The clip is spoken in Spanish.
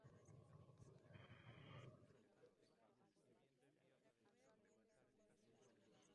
Durante su estancia en la universidad fue miembro de la fraternidad Sigma Nu.